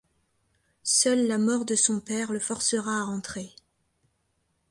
Seule la mort de son père le forcera à rentrer.